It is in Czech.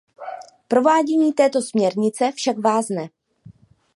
Provádění této směrnice však vázne.